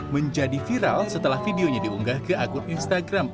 menjadi viral setelah videonya diunggah ke akun instagram